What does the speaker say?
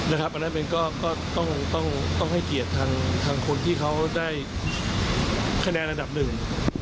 อันนั้นมันก็ต้องให้เกียรติทางคนที่เขาได้คะแนนระดับหนึ่ง